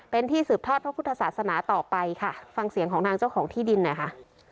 เป็นที่สืบทอดพระพุทธศาสนาต่อไปค่ะฟังเสียงของทางเจ้าของที่ดินหน่อยค่ะ